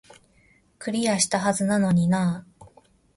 クリアしたはずなのになー